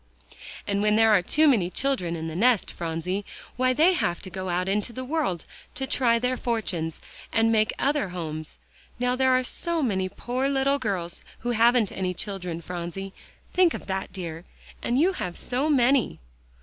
"And when there are too many children in the nest, Phronsie, why, they have to go out into the world to try their fortunes and make other homes. Now there are so many poor little girls who haven't any children, Phronsie. Think of that, dear; and you have so many."